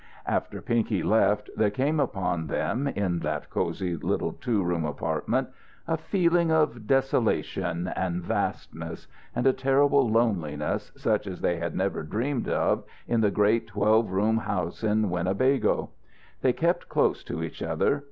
After Pinky left there came upon them, in that cozy, little, two room apartment, a feeling of desolation and vastness, and a terrible loneliness such as they had never dreamed of in the great twelve room house in Winnebago. They kept close to each other.